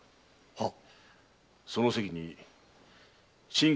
はっ。